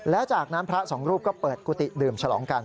แล้วจากนั้นพระสองรูปก็เปิดกุฏิดื่มฉลองกัน